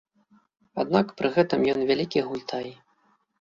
Аднак пры гэтым ён вялікі гультай.